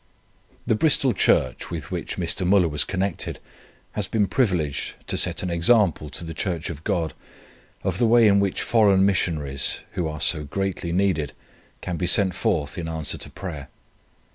The Bristol Church with which Mr. Müller was connected has been privileged to set an example to the Church of God of the way in which Foreign Missionaries (who are so greatly needed) can be sent forth in answer to prayer.